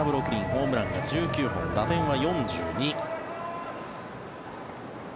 ホームランが１９本打点は４２。